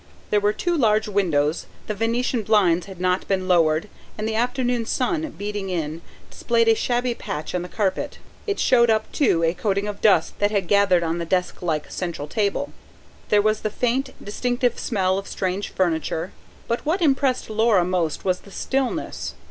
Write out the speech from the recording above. There were two large windows. The venetian blinds had not been lowered, and the afternoon sun, beating in, displayed a shabby patch on the carpet. It showed up, too, a coating of dust that had gathered on the desk like, central table. There was the faint, distinctive smell of strange furniture. But what impressed Laura most was the stillness.